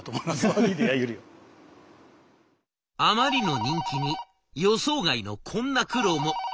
あまりの人気に予想外のこんな苦労も。